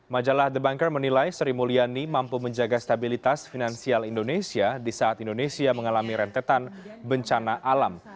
majalah the banker menilai sri mulyani mampu menjaga stabilitas finansial indonesia di saat indonesia mengalami rentetan bencana alam